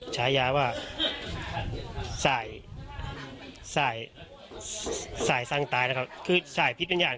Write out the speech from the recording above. ฉายาว่าสายสายสั่งตายนะครับคือสายพิษเป็นอย่าง